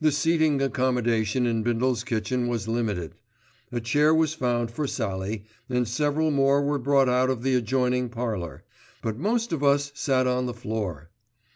The seating accommodation in Bindle's kitchen was limited. A chair was found for Sallie, and several more were brought out of the adjoining parlour; but most of us sat on the floor.